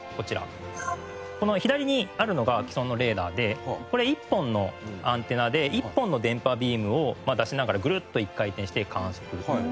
この左にあるのが既存のレーダーでこれ１本のアンテナで１本の電波ビームを出しながらぐるっと１回転して観測しています。